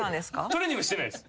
トレーニングしてないです。